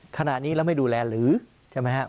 ขณะนี้แล้วไม่ดูแลหรือใช่ไหมครับ